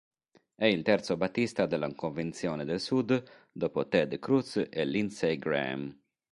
È il terzo Battista della Convenzione del Sud dopo Ted Cruz e Lindsey Graham.